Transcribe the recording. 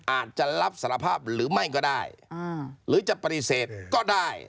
อาจจะรับสารภาพหรือไม่ก็ได้หรือจะปฏิเสธก็ได้